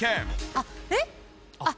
あっえっ？